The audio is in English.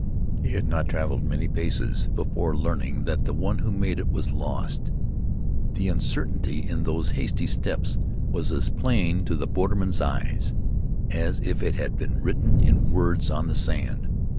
He had not traveled many paces before learning that the one who made it was lost. The uncertainty in those hasty steps was as plain to the borderman's eyes, as if it had been written in words on the sand.